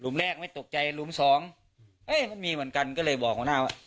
แรกไม่ตกใจหลุมสองเอ๊ะก็มีเหมือนกันก็เลยบอกหัวหน้าว่า